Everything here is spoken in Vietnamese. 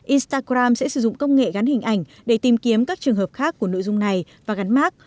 instagram sẽ sử dụng công nghệ gắn hình ảnh để tìm kiếm các trường hợp khác của nội dung này và gắn mát